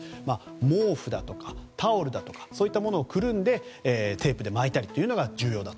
毛布やタオルやそういったものをくるんでテープで巻いたりというのが重要だと。